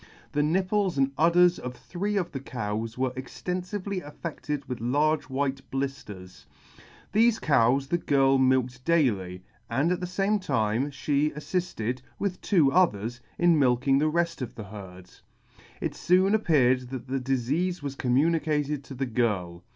The nipples and udders of three of the cows were extenfively affedted with large white blifters. Thefe cows the girl milked daily, and at the fame time fhe aflifted, with two others, in milking the reft of the herd. It foon appeared that the difeafe was commu nicated to the girl.